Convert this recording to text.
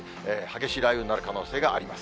激しい雷雨になる可能性があります。